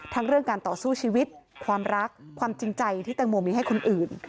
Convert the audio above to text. เรื่องการต่อสู้ชีวิตความรักความจริงใจที่แตงโมมีให้คนอื่น